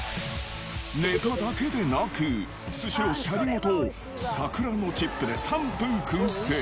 ネタだけでなく、寿司をシャリごと、桜のチップで３分くん製。